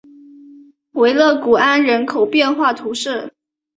维勒古安人口变化图示